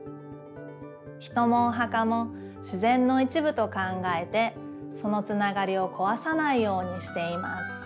人もお墓も自然のいちぶと考えてそのつながりをこわさないようにしています。